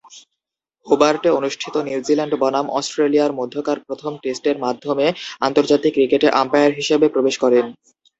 হোবার্টে অনুষ্ঠিত নিউজিল্যান্ড বনাম অস্ট্রেলিয়ার মধ্যকার প্রথম টেস্টের মাধ্যমে আন্তর্জাতিক ক্রিকেটে আম্পায়ার হিসেবে প্রবেশ করেন।